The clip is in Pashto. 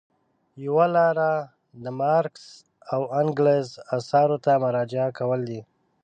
یوه لاره د مارکس او انګلز اثارو ته مراجعه کول دي.